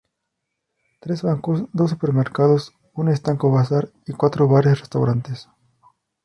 Tres bancos, dos supermercados un estanco-bazar y cuatro bares-restaurantes.